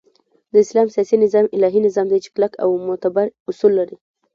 د اسلام سیاسی نظام الهی نظام دی چی کلک او معتبر اصول لری